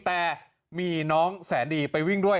แต่มีน้องแสนดีไปวิ่งด้วย